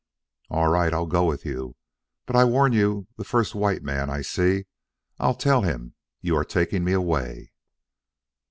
"All right, I'll go with you. But I warn you the first white man I see, I'll tell him you are taking me away."